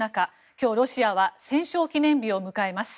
今日、ロシアは戦勝記念日を迎えます。